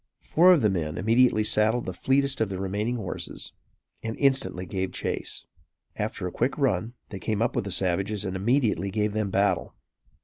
Four of the men immediately saddled the fleetest of the remaining horses and instantly gave chase. After a quick run they came up with the savages and immediately gave them battle.